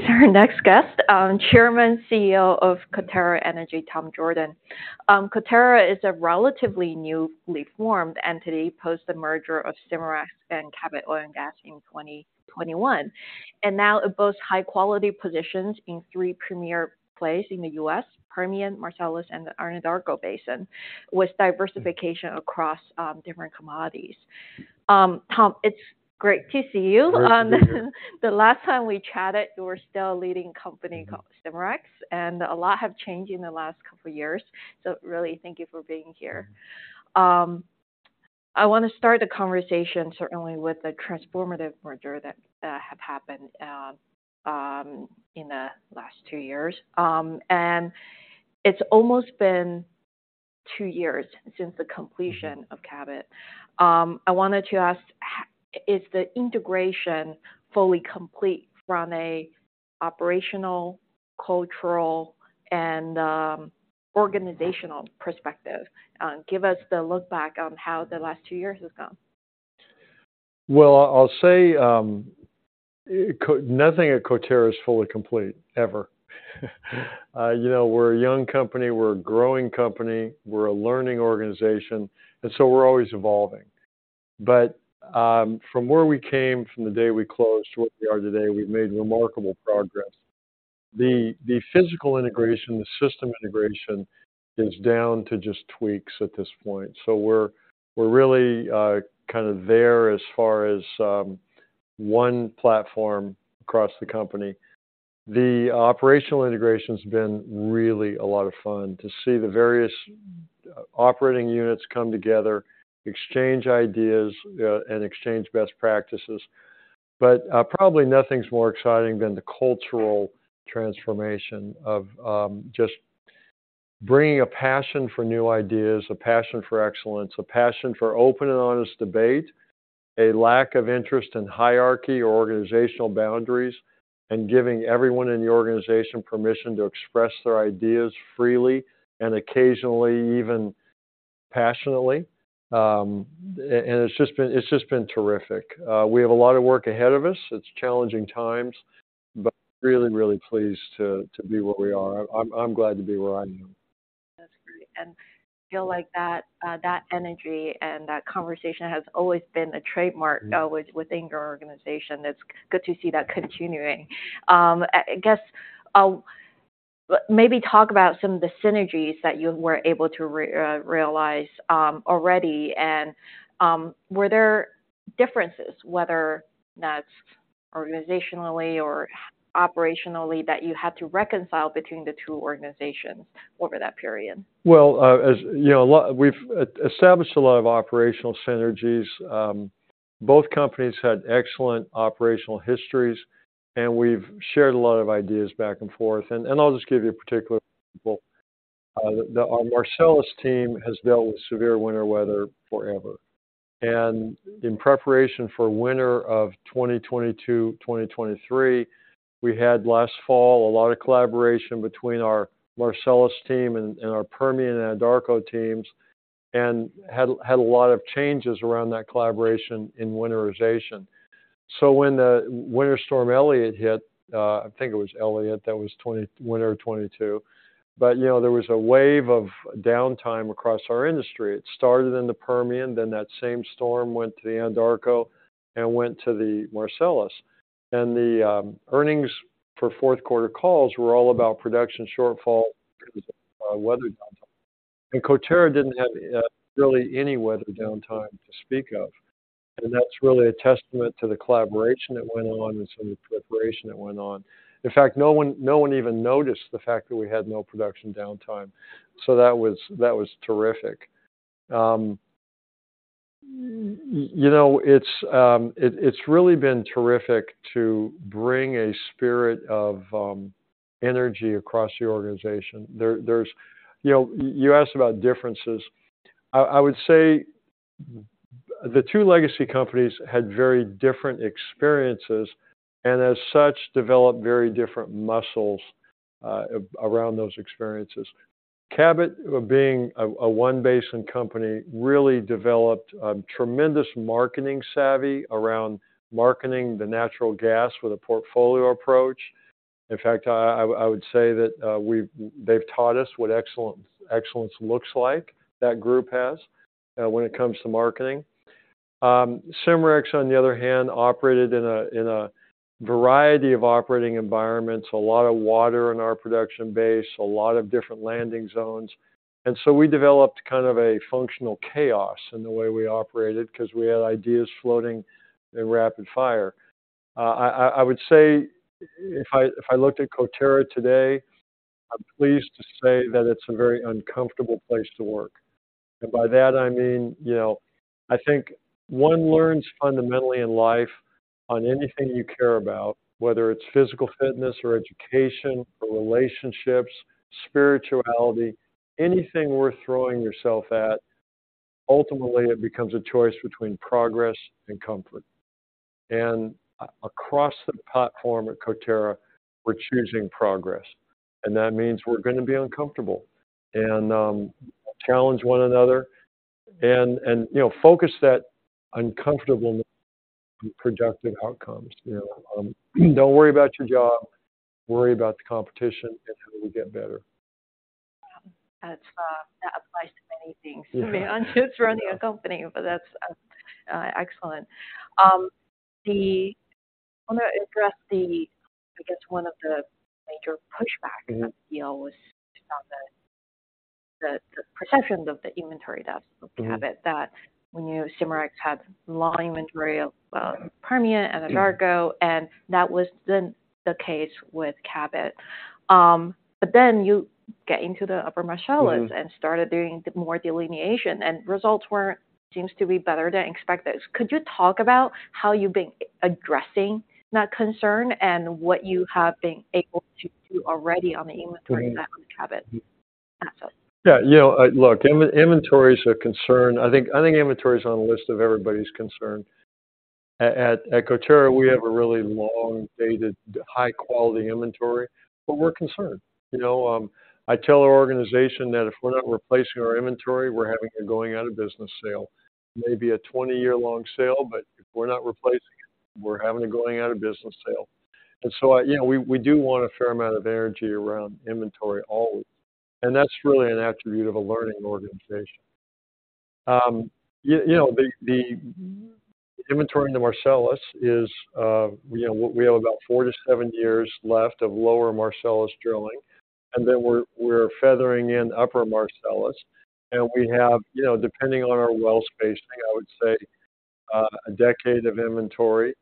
Our next guest, Chairman, CEO of Coterra Energy, Tom Jorden. Coterra is a relatively newly formed entity post the merger of Cimarex and Cabot Oil & Gas in 2021, and now it boasts high-quality positions in three premier plays in the U.S. Permian, Marcellus, and the Anadarko Basin, with diversification across different commodities. Tom, it's great to see you. Great to be here. The last time we chatted, you were still leading a company called Cimarex, and a lot have changed in the last couple of years, so really thank you for being here. I wanna start the conversation certainly with the transformative merger that have happened in the last two years. It's almost been two years since the completion of Cabot. I wanted to ask, is the integration fully complete from a operational, cultural, and organizational perspective? Give us the look back on how the last two years has gone. Well, I'll say, nothing at Coterra is fully complete, ever. You know, we're a young company, we're a growing company, we're a learning organization, and so we're always evolving. But, from where we came, from the day we closed to what we are today, we've made remarkable progress. The physical integration, the system integration is down to just tweaks at this point. So we're really kind of there as far as one platform across the company. The operational integration's been really a lot of fun to see the various operating units come together, exchange ideas, and exchange best practices. But, probably nothing's more exciting than the cultural transformation of just bringing a passion for new ideas, a passion for excellence, a passion for open and honest debate, a lack of interest in hierarchy or organizational boundaries, and giving everyone in the organization permission to express their ideas freely and occasionally even passionately. And it's just been terrific. We have a lot of work ahead of us. It's challenging times, but really, really pleased to be where we are. I'm glad to be where I am. That's great, and I feel like that, that energy and that conversation has always been a trademark- Mm... always within your organization. It's good to see that continuing. I guess I'll maybe talk about some of the synergies that you were able to realize already. Were there differences, whether that's organizationally or operationally, that you had to reconcile between the two organizations over that period? Well, as you know, a lot—we've established a lot of operational synergies. Both companies had excellent operational histories, and we've shared a lot of ideas back and forth. And I'll just give you a particular example. Our Marcellus team has dealt with severe winter weather forever, and in preparation for winter of 2022-2023, we had last fall a lot of collaboration between our Marcellus team and our Permian and Anadarko teams, and had a lot of changes around that collaboration in winterization. So when the Winter Storm Elliott hit, I think it was Elliott, that was twenty... winter of 2022. But, you know, there was a wave of downtime across our industry. It started in the Permian, then that same storm went to the Anadarko and went to the Marcellus. The earnings for fourth quarter calls were all about production shortfall, weather downtime. Coterra didn't have really any weather downtime to speak of, and that's really a testament to the collaboration that went on and some of the preparation that went on. In fact, no one, no one even noticed the fact that we had no production downtime, so that was, that was terrific. You know, it's really been terrific to bring a spirit of energy across the organization. There's... You know, you asked about differences. I would say the two legacy companies had very different experiences, and as such, developed very different muscles around those experiences. Cabot, being a one-basin company, really developed a tremendous marketing savvy around marketing the natural gas with a portfolio approach. In fact, I would say that, we've—they've taught us what excellence, excellence looks like, that group has, when it comes to marketing. Cimarex, on the other hand, operated in a variety of operating environments, a lot of water in our production base, a lot of different landing zones, and so we developed kind of a functional chaos in the way we operated because we had ideas floating in rapid fire. I would say if I looked at Coterra today, I'm pleased to say that it's a very uncomfortable place to work. And by that I mean, you know, I think one learns fundamentally in life on anything you care about, whether it's physical fitness or education or relationships, spirituality, anything worth throwing yourself at, ultimately it becomes a choice between progress and comfort. Across the platform at Coterra, we're choosing progress, and that means we're gonna be uncomfortable and challenge one another, and you know, focus that uncomfortable productive outcomes. You know, don't worry about your job, worry about the competition and how do we get better. That's, that applies to many things- Yeah. to me on just running a company, but that's excellent. I wanna address the, I guess, one of the major pushbacks. Mm-hmm. that we always on the perceptions of the inventory that we have it Mm-hmm. -that when you Cimarex had low inventory of, Permian and Anadarko- Mm. and that wasn't the case with Cabot. But then you get into the Upper Marcellus- Mm. and started doing the more delineation, and results were... seems to be better than expected. Could you talk about how you've been addressing that concern and what you have been able to do already on the inventory? Mm-hmm That with Cabot? Yeah, you know, look, inventory is a concern. I think, I think inventory is on the list of everybody's concern. At Coterra, we have a really long-dated, high-quality inventory, but we're concerned. You know, I tell our organization that if we're not replacing our inventory, we're having a going-out-of-business sale. Maybe a 20-year-long sale, but if we're not replacing it, we're having a going-out-of-business sale. And so, you know, we do want a fair amount of energy around inventory always, and that's really an attribute of a learning organization. You know, the inventory in the Marcellus is, you know, we have about four-seven years left of Lower Marcellus drilling, and then we're feathering in Upper Marcellus. And we have, you know, depending on our well spacing, I would say, a decade of inventory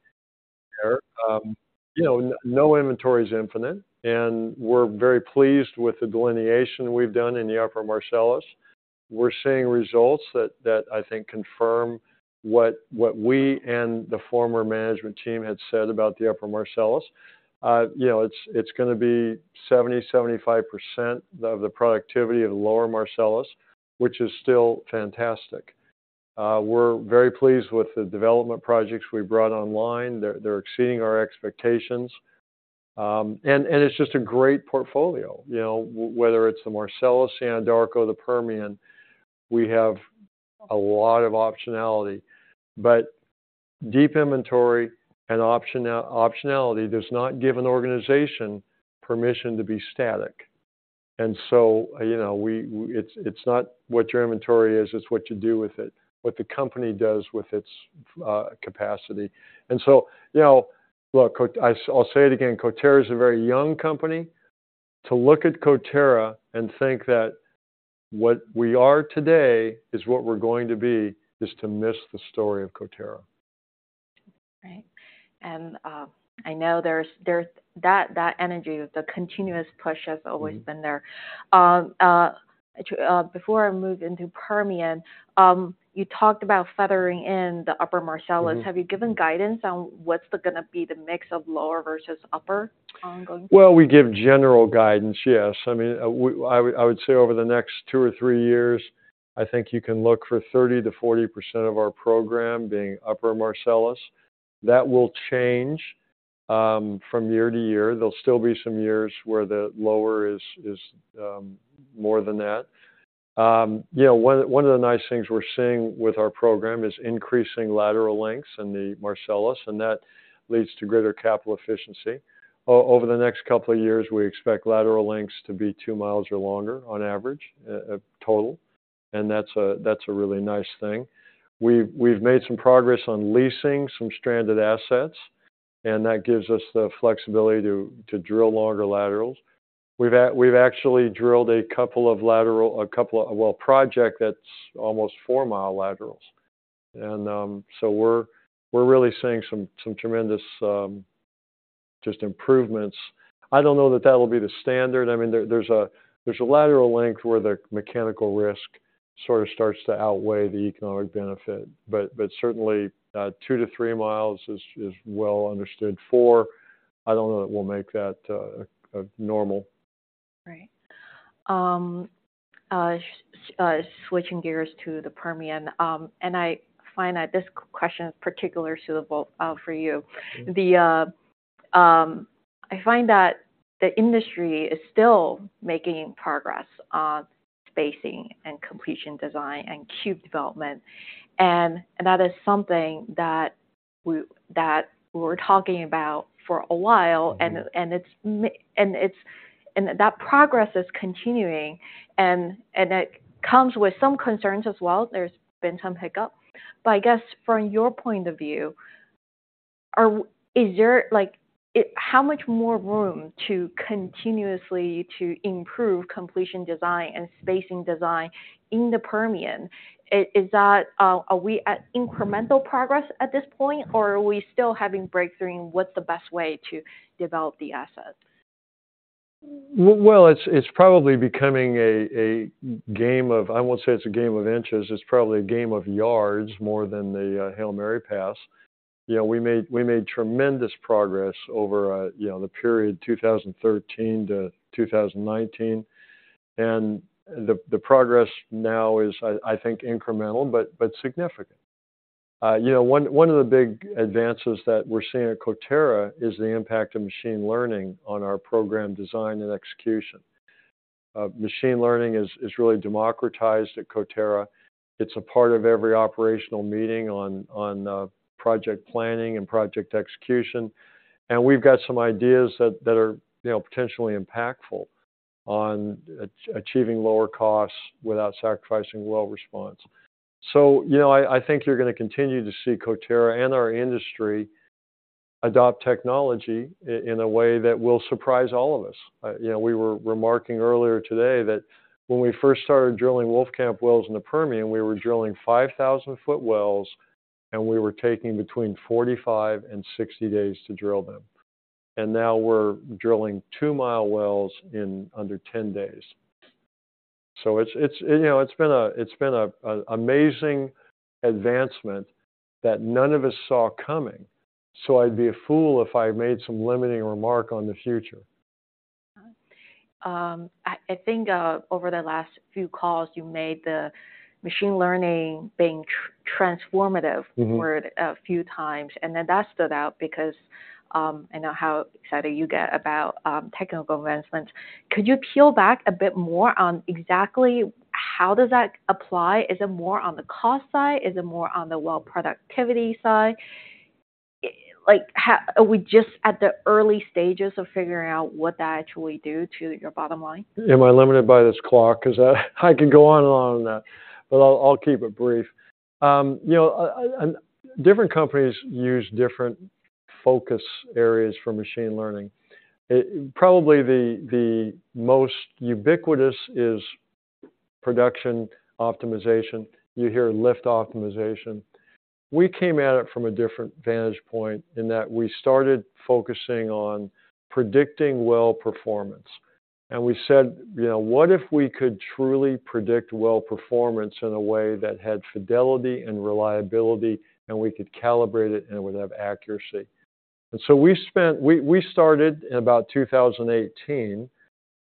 there. You know, no inventory is infinite, and we're very pleased with the delineation we've done in the Upper Marcellus. We're seeing results that I think confirm what we and the former management team had said about the Upper Marcellus. You know, it's gonna be 70%-75% of the productivity of the Lower Marcellus, which is still fantastic. We're very pleased with the development projects we brought online. They're exceeding our expectations. And it's just a great portfolio. You know, whether it's the Marcellus, Anadarko, the Permian, we have a lot of optionality. But deep inventory and optionality does not give an organization permission to be static. And so, you know, it's not what your inventory is, it's what you do with it, what the company does with its capacity. And so, you know, look, I'll say it again, Coterra is a very young company. To look at Coterra and think that what we are today is what we're going to be, is to miss the story of Coterra. Right. And, I know there's that energy, the continuous push- Mm-hmm has always been there. Before I move into Permian, you talked about feathering in the Upper Marcellus. Mm-hmm. Have you given guidance on what's gonna be the mix of lower versus upper on going forward? Well, we give general guidance, yes. I mean, I would say over the next two or three years, I think you can look for 30%-40% of our program being Upper Marcellus. That will change from year to year. There'll still be some years where the lower is more than that. You know, one of the nice things we're seeing with our program is increasing lateral lengths in the Marcellus, and that leads to greater capital efficiency. Over the next couple of years, we expect lateral lengths to be 2 miles or longer on average, total, and that's a really nice thing. We've made some progress on leasing some stranded assets, and that gives us the flexibility to drill longer laterals. We've actually drilled a couple of lateral, a couple... Well, a project that's almost 4-mile laterals. So we're really seeing some tremendous just improvements. I don't know that that'll be the standard. I mean, there's a lateral length where the mechanical risk sort of starts to outweigh the economic benefit, but certainly 2-3 miles is well understood. Four, I don't know that we'll make that normal. Right. Switching gears to the Permian, and I find that this question is particularly suitable for you. Mm-hmm. I find that the industry is still making progress on spacing and completion design and cube development, and that is something that we're talking about for a while- Mm-hmm... and it's, and that progress is continuing, and it comes with some concerns as well. There's been some hiccup. But I guess from your point of view, is there like how much more room to continuously improve completion design and spacing design in the Permian? Are we at incremental progress at this point, or are we still having breakthrough in what's the best way to develop the assets? Well, well, it's, it's probably becoming a, a game of... I won't say it's a game of inches, it's probably a game of yards more than the Hail Mary pass. You know, we made, we made tremendous progress over, you know, the period 2013 to 2019, and the, the progress now is, I, I think, incremental, but, but significant. You know, one, one of the big advances that we're seeing at Coterra is the impact of Machine Learning on our program design and execution. Machine Learning is, is really democratized at Coterra. It's a part of every operational meeting on, on, project planning and project execution, and we've got some ideas that, that are, you know, potentially impactful on achieving lower costs without sacrificing well response. So, you know, I think you're gonna continue to see Coterra and our industry adopt technology in a way that will surprise all of us. You know, we were remarking earlier today that when we first started drilling Wolfcamp wells in the Permian, we were drilling 5,000-foot wells, and we were taking between 45 and 60 days to drill them, and now we're drilling 2-mile wells in under 10 days. So it's, you know, it's been an amazing advancement that none of us saw coming, so I'd be a fool if I made some limiting remark on the future. I think over the last few calls you made, the machine learning being transformative- Mm-hmm And then that stood out because I know how excited you get about technical advancements. Could you peel back a bit more on exactly how does that apply? Is it more on the cost side? Is it more on the well productivity side? Like, how... Are we just at the early stages of figuring out what that actually do to your bottom line? Am I limited by this clock? Because I can go on and on, but I'll keep it brief. You know, and different companies use different focus areas for machine learning. Probably the most ubiquitous is production optimization. You hear lift optimization. We came at it from a different vantage point in that we started focusing on predicting well performance, and we said, "You know, what if we could truly predict well performance in a way that had fidelity and reliability, and we could calibrate it, and it would have accuracy?" And so we spent. We started in about 2018,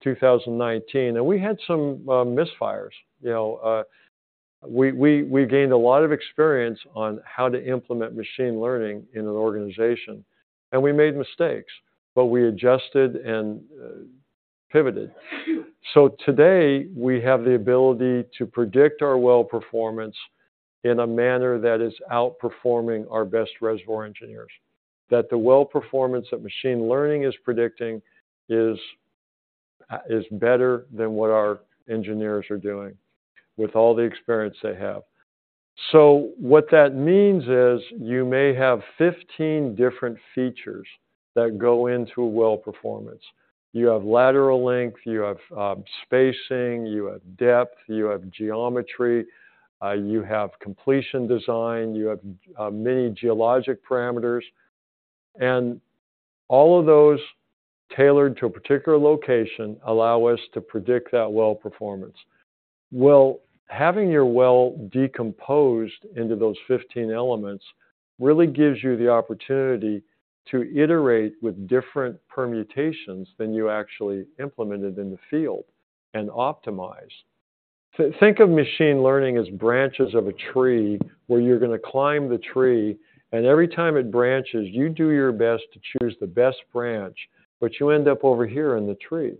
2019, and we had some misfires. You know, we gained a lot of experience on how to implement machine learning in an organization, and we made mistakes, but we adjusted and pivoted. So today, we have the ability to predict our well performance in a manner that is outperforming our best reservoir engineers. That the well performance that machine learning is predicting is better than what our engineers are doing with all the experience they have. So what that means is, you may have 15 different features that go into a well performance. You have lateral length, you have spacing, you have depth, you have geometry, you have completion design, you have many geologic parameters, and all of those tailored to a particular location allow us to predict that well performance. Well, having your well decomposed into those 15 elements really gives you the opportunity to iterate with different permutations than you actually implemented in the field and optimize. Think of machine learning as branches of a tree, where you're gonna climb the tree, and every time it branches, you do your best to choose the best branch, but you end up over here in the tree.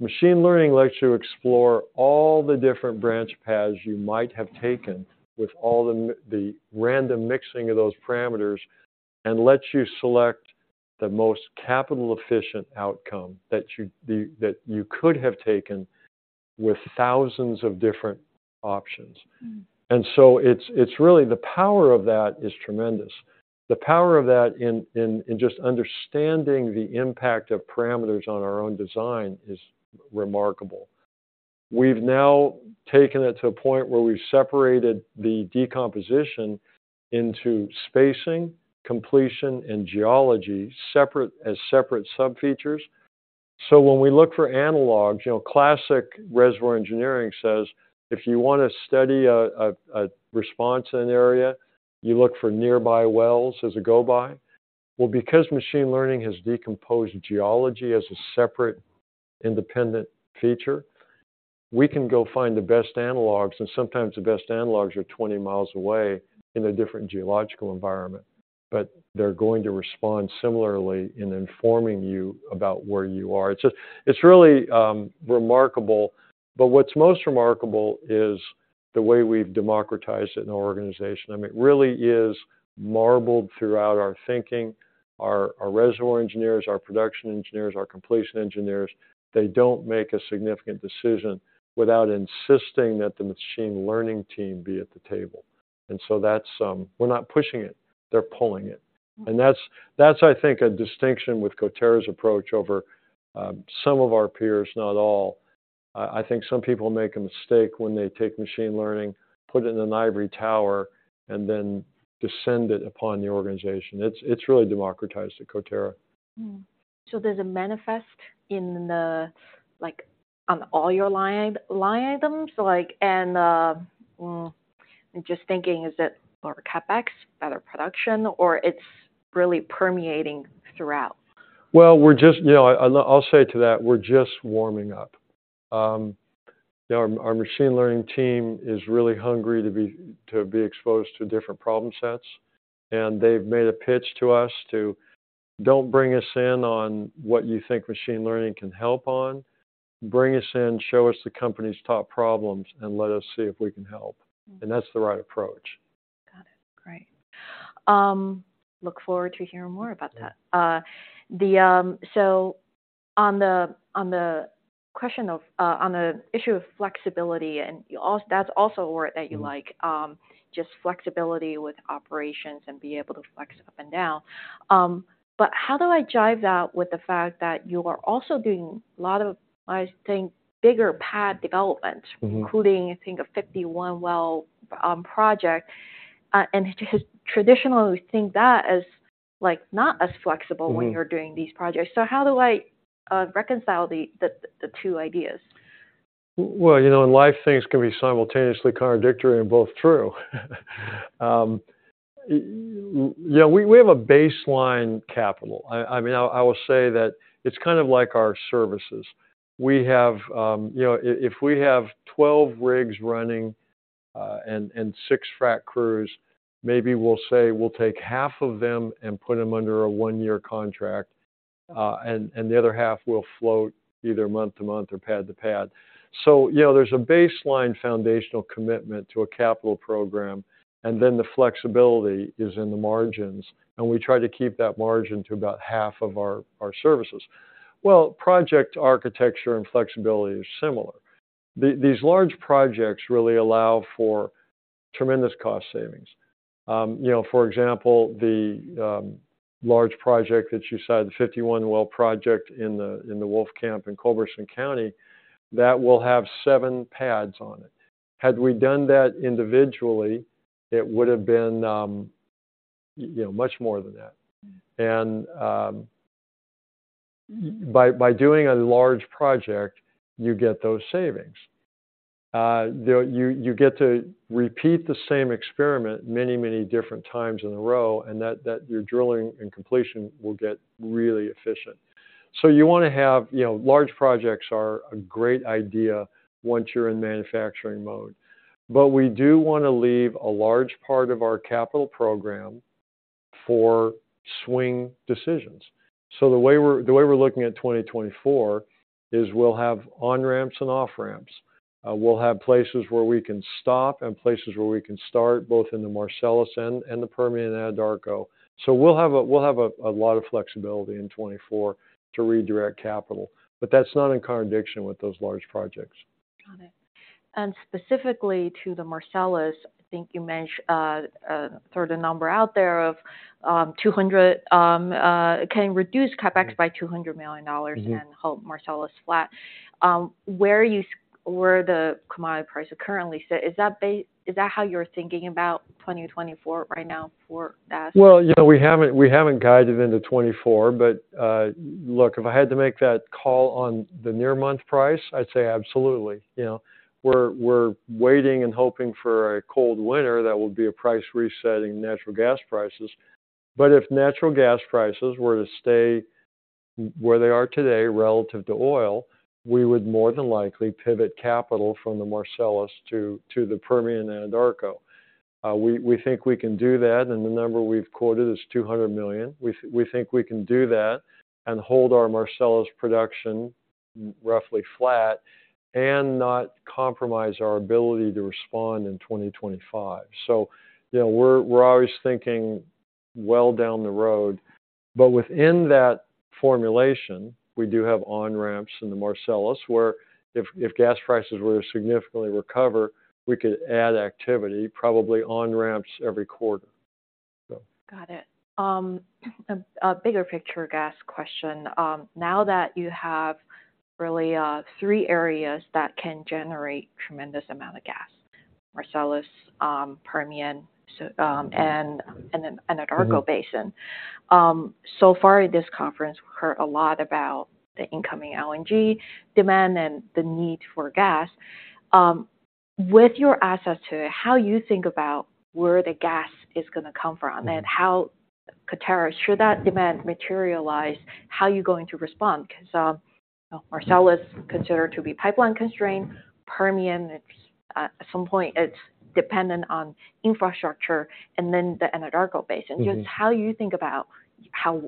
Machine learning lets you explore all the different branch paths you might have taken with all the random mixing of those parameters and lets you select the most capital-efficient outcome that you could have taken with thousands of different options. Mm. So it's really the power of that is tremendous. The power of that in just understanding the impact of parameters on our own design is remarkable. We've now taken it to a point where we've separated the decomposition into spacing, completion, and geology as separate subfeatures. So when we look for analogs, you know, classic reservoir engineering says, "If you want to study a response in an area, you look for nearby wells as a go-by." Well, because machine learning has decomposed geology as a separate, independent feature, we can go find the best analogs, and sometimes the best analogs are 20 miles away in a different geological environment, but they're going to respond similarly in informing you about where you are. It's just, it's really remarkable, but what's most remarkable is the way we've democratized it in our organization. I mean, it really is marbled throughout our thinking, our reservoir engineers, our production engineers, our completion engineers. They don't make a significant decision without insisting that the machine learning team be at the table, and so that's. We're not pushing it, they're pulling it. Mm. That's, that's, I think, a distinction with Coterra's approach over some of our peers, not all. I, I think some people make a mistake when they take Machine Learning, put it in an ivory tower, and then descend it upon the organization. It's, it's really democratized at Coterra. So there's a manifest in the, like, on all your line items? Like, and, I'm just thinking, is it lower CapEx, better production, or it's really permeating throughout? Well, you know, I, I'll say to that, we're just warming up. Yeah, our machine learning team is really hungry to be exposed to different problem sets, and they've made a pitch to us to: "Don't bring us in on what you think machine learning can help on. Bring us in, show us the company's top problems, and let us see if we can help. Mm. That's the right approach. Got it. Great. Look forward to hearing more about that. Yeah. So on the issue of flexibility, and you also—that's also a word that you like- Mm. just flexibility with operations and be able to flex up and down. But how do I jive that with the fact that you are also doing a lot of, I think, bigger pad development? Mm-hmm -including, I think, a 51-well project, and just traditionally think that as, like, not as flexible- Mm when you're doing these projects. So how do I reconcile the two ideas? Well, you know, in life, things can be simultaneously contradictory and both true. Yeah, we have a baseline capital. I mean, I will say that it's kind of like our services. We have, you know, if we have 12 rigs running, and six frack crews, maybe we'll say we'll take half of them and put them under a one-year contract, and the other half will float either month-to-month or pad-to-pad. So, you know, there's a baseline foundational commitment to a capital program, and then the flexibility is in the margins, and we try to keep that margin to about half of our services. Well, project architecture and flexibility is similar. These large projects really allow for tremendous cost savings. You know, for example, the large project that you cited, the 51-well project in the Wolfcamp in Culberson County, that will have seven pads on it. Had we done that individually, it would've been, you know, much more than that. Mm. By doing a large project, you get those savings. You get to repeat the same experiment many, many different times in a row, and that your drilling and completion will get really efficient. So you wanna have... You know, large projects are a great idea once you're in manufacturing mode. But we do wanna leave a large part of our capital program for swing decisions. So the way we're looking at 2024 is we'll have on-ramps and off-ramps. We'll have places where we can stop and places where we can start, both in the Marcellus and the Permian and Anadarko. So we'll have a lot of flexibility in 2024 to redirect capital, but that's not in contradiction with those large projects. Got it. Specifically to the Marcellus, I think you mentioned, threw the number out there of 200, can reduce CapEx by $200 million- Mm-hmm And hold Marcellus flat. Where are you seeing the commodity prices are currently, so is that how you're thinking about 2024 right now for gas? Well, you know, we haven't guided into 2024, but look, if I had to make that call on the near month price, I'd say absolutely, you know? We're waiting and hoping for a cold winter that would be a price resetting natural gas prices. But if natural gas prices were to stay where they are today relative to oil, we would more than likely pivot capital from the Marcellus to the Permian and Anadarko. We think we can do that, and the number we've quoted is $200 million. We think we can do that and hold our Marcellus production roughly flat and not compromise our ability to respond in 2025. You know, we're always thinking well down the road, but within that formulation, we do have on-ramps in the Marcellus, where if gas prices were to significantly recover, we could add activity, probably on-ramps every quarter, so. Got it. A bigger picture gas question. Now that you have really three areas that can generate tremendous amount of gas: Marcellus, Permian, so- Mm-hmm... and Anadarko Basin. So far in this conference, we heard a lot about the incoming LNG demand and the need for gas. With your assets to it, how you think about where the gas is gonna come from, and how Coterra, should that demand materialize, how are you going to respond? Because, you know, Marcellus is considered to be pipeline constrained, Permian, it's, at some point, it's dependent on infrastructure and then the Anadarko Basin. Mm-hmm. Just how you think about how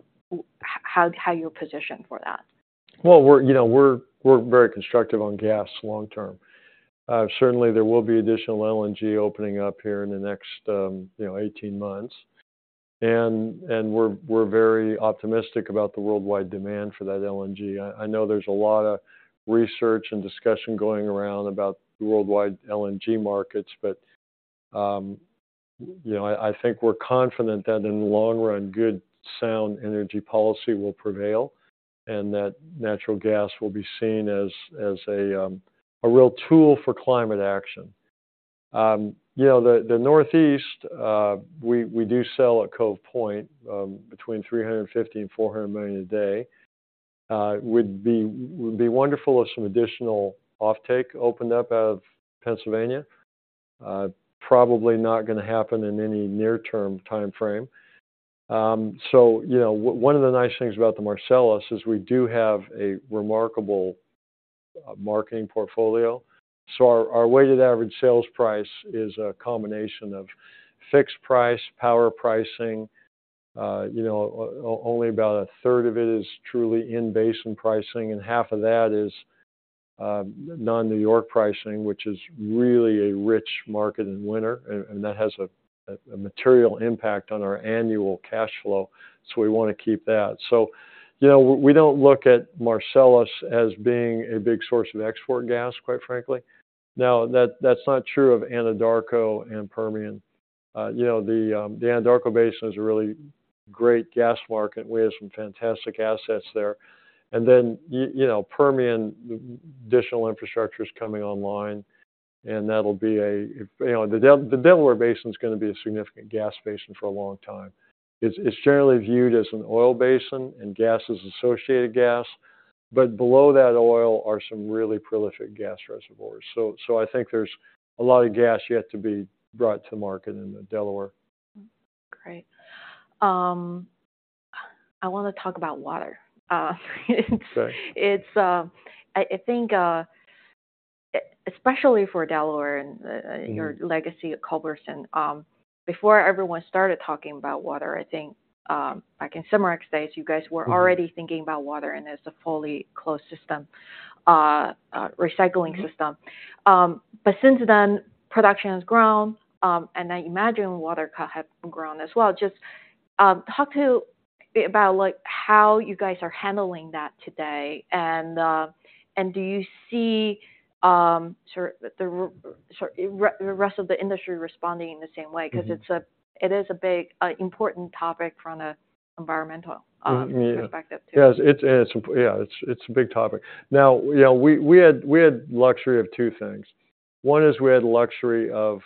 you're positioned for that? Well, we're, you know, very constructive on gas long term. Certainly, there will be additional LNG opening up here in the next, you know, 18 months, and we're very optimistic about the worldwide demand for that LNG. I know there's a lot of research and discussion going around about the worldwide LNG markets, but, you know, I think we're confident that in the long run, good, sound energy policy will prevail, and that natural gas will be seen as a real tool for climate action. You know, the Northeast, we do sell at Cove Point, between 350 and 400 million a day. It would be wonderful if some additional offtake opened up out of Pennsylvania. Probably not gonna happen in any near-term timeframe. So, you know, one of the nice things about the Marcellus is we do have a remarkable marketing portfolio. So our weighted average sales price is a combination of fixed price, power pricing, you know, only about a third of it is truly in basin pricing, and half of that is non-New York pricing, which is really a rich market in winter, and that has a material impact on our annual cash flow, so we want to keep that. So, you know, we don't look at Marcellus as being a big source of export gas, quite frankly. Now, that's not true of Anadarko and Permian. You know, the Anadarko Basin is a really great gas market. We have some fantastic assets there. And then you know, Permian, additional infrastructure is coming online, and that'll be a, you know. The Delaware Basin is gonna be a significant gas basin for a long time. It's, it's generally viewed as an oil basin, and gas is associated gas, but below that oil are some really prolific gas reservoirs. So, so I think there's a lot of gas yet to be brought to the market in the Delaware. Great. I want to talk about water. Sure. It's, I, I think, especially for Delaware and, Mm-hmm... your legacy at Culberson, before everyone started talking about water, I think, back in Cimarex states, you guys- Mm-hmm... were already thinking about water, and it's a fully closed system, recycling system. Mm-hmm. But since then, production has grown, and I imagine water cut have grown as well. Just talk about, like, how you guys are handling that today, and do you see sort of the rest of the industry responding in the same way- Mm-hmm... 'cause it's a, it is a big, important topic from an environmental, Mm-hmm... perspective, too. Yes, it's a big topic. Now, you know, we had the luxury of two things. One is we had the luxury of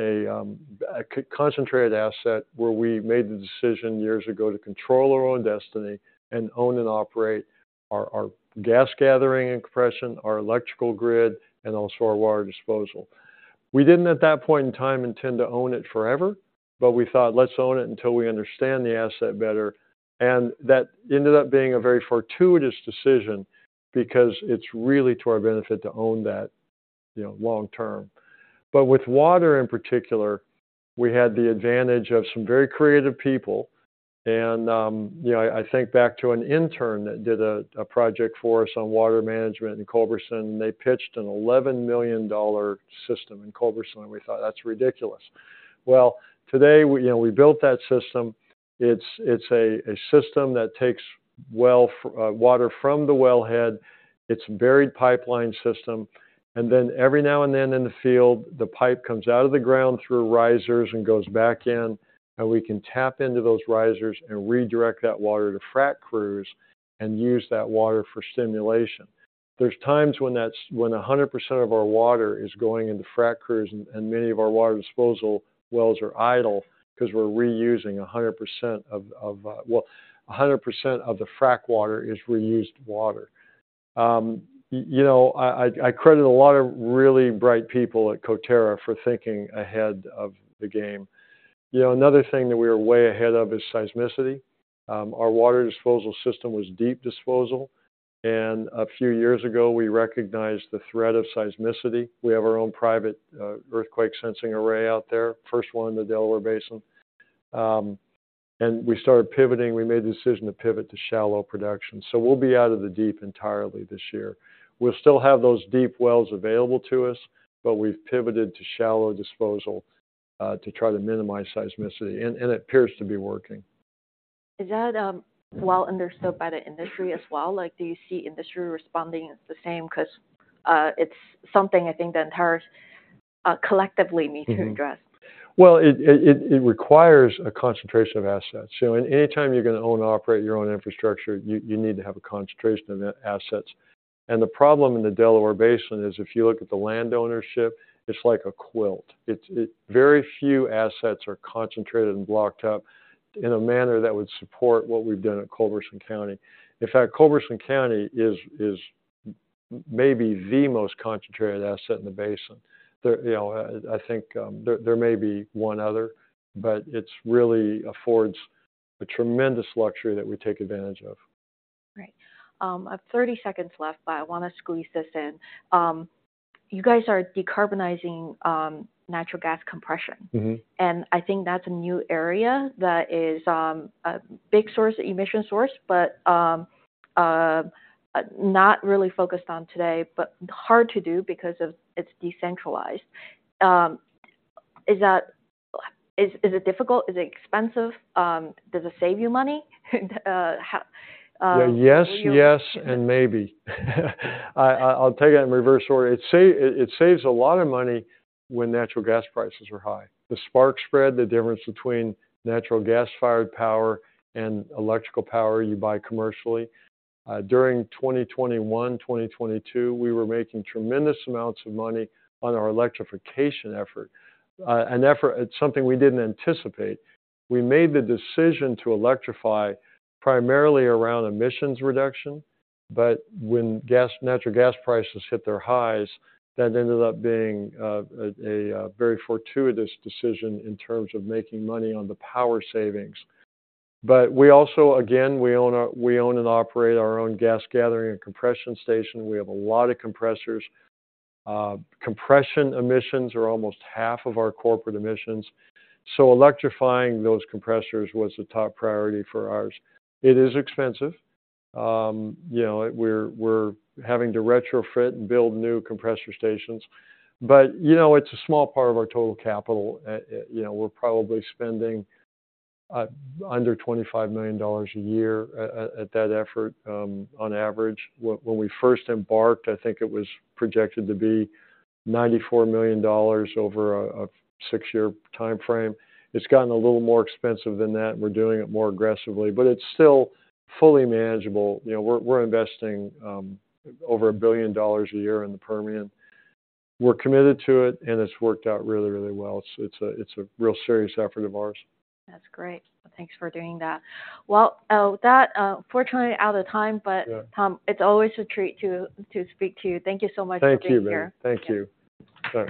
a concentrated asset, where we made the decision years ago to control our own destiny and own and operate our gas gathering and compression, our electrical grid, and also our water disposal. We didn't, at that point in time, intend to own it forever, but we thought, let's own it until we understand the asset better, and that ended up being a very fortuitous decision because it's really to our benefit to own that, you know, long term. But with water, in particular, we had the advantage of some very creative people, and, you know, I, I think back to an intern that did a project for us on water management in Culberson, and they pitched an $11 million system in Culberson, and we thought, "That's ridiculous." Well, today, we, you know, we built that system. It's, it's a system that takes well, water from the wellhead. It's a buried pipeline system, and then every now and then in the field, the pipe comes out of the ground through risers and goes back in, and we can tap into those risers and redirect that water to frack crews and use that water for stimulation. There are times when 100% of our water is going into frack crews and many of our water disposal wells are idle because we're reusing 100% of the frack water, which is reused water. You know, I credit a lot of really bright people at Coterra for thinking ahead of the game. You know, another thing that we are way ahead of is seismicity. Our water disposal system was deep disposal, and a few years ago we recognized the threat of seismicity. We have our own private earthquake sensing array out there, first one in the Delaware Basin. And we started pivoting. We made the decision to pivot to shallow production, so we'll be out of the deep entirely this year. We'll still have those deep wells available to us, but we've pivoted to shallow disposal, to try to minimize seismicity, and it appears to be working. Is that, well understood by the industry as well? Like, do you see industry responding the same? 'Cause, it's something I think the entire, collectively- Mm-hmm... need to address. Well, it requires a concentration of assets. You know, anytime you're gonna own and operate your own infrastructure, you need to have a concentration of assets. And the problem in the Delaware Basin is, if you look at the landownership, it's like a quilt. Very few assets are concentrated and blocked up in a manner that would support what we've done at Culberson County. In fact, Culberson County is maybe the most concentrated asset in the basin. There, you know, I think there may be one other, but it's really affords a tremendous luxury that we take advantage of. Great. I've 30 seconds left, but I want to squeeze this in. You guys are decarbonizing natural gas compression. Mm-hmm. I think that's a new area that is a big source of emission source, but not really focused on today, but hard to do because of its decentralized. Is it difficult? Is it expensive? Does it save you money? How- Yes, yes, and maybe. I'll tell you in reverse order. It saves a lot of money when natural gas prices are high. The spark spread, the difference between natural gas-fired power and electrical power you buy commercially. During 2021, 2022, we were making tremendous amounts of money on our electrification effort. An effort, it's something we didn't anticipate. We made the decision to electrify primarily around emissions reduction, but when natural gas prices hit their highs, that ended up being a very fortuitous decision in terms of making money on the power savings. But we also, again, we own and operate our own gas gathering and compression station. We have a lot of compressors. Compression emissions are almost half of our corporate emissions, so electrifying those compressors was a top priority for ours. It is expensive. You know, we're having to retrofit and build new compressor stations, but you know, it's a small part of our total capital. You know, we're probably spending under $25 million a year at that effort, on average. When we first embarked, I think it was projected to be $94 million over a six-year timeframe. It's gotten a little more expensive than that. We're doing it more aggressively, but it's still fully manageable. You know, we're investing over $1 billion a year in the Permian. We're committed to it, and it's worked out really, really well. So it's a real serious effort of ours. That's great. Well, thanks for doing that. Well, with that, fortunately, out of time, but- Yeah... it's always a treat to, to speak to you. Thank you so much for being here. Thank you, Mary. Thank you. Bye.